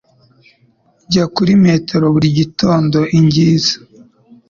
Njya kuri metero buri gitondo i Ginza.